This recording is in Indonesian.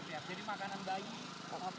jadi makanan bayi